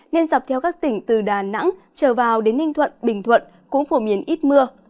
nên dọc theo các tỉnh từ đà nẵng trở vào đến ninh thuận bình thuận cũng phổ biến ít mưa